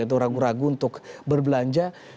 itu ragu ragu untuk berbelanja